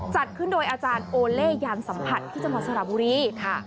จัดขึ้นโดยอาจารย์โอเล่ยานสัมผัสที่จังหวัดสระบุรีค่ะ